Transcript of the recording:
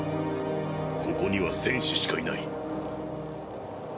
ここには戦士しかいない。